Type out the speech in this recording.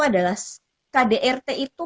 adalah kdrt itu